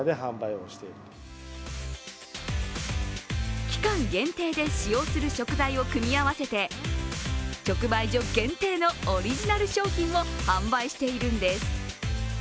更に期間限定で使用する食材を組み合わせて直売所限定のオリジナル商品を販売しているんです。